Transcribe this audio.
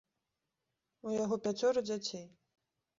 У яго пяцёра дзяцей.